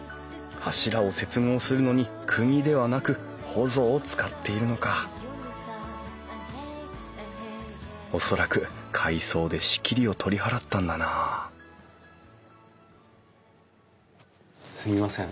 柱を接合するのにくぎではなくほぞを使っているのか恐らく改装で仕切りを取り払ったんだなすいません。